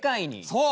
そう！